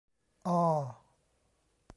ออ